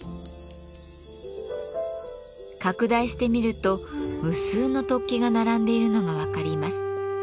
拡大してみると無数の突起が並んでいるのが分かります。